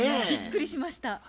びっくりしました。